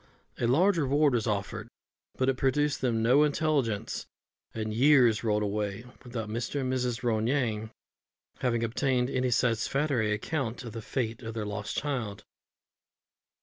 A large reward was offered, but it produced them no intelligence, and years rolled away without Mr. and Mrs. Ronayne having obtained any satisfactory account of the fate of their lost child.